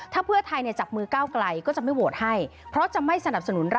ถ้าเพื่อไทยจับมือก้าวไกลก็จะไม่โหวตให้เพราะจะไม่สนับสนุนรัฐ